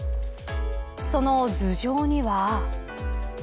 その頭上には。